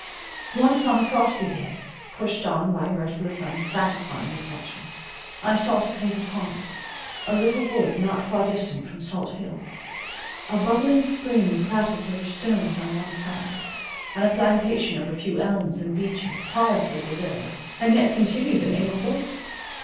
Once on a frosty day, pushed on by restless unsatisfying reflections, I sought a favourite haunt, a little wood not far distant from Salt Hill. A bubbling spring prattles over stones on one side, and a plantation of a few elms and beeches, hardly deserve, and yet continue the name of wood.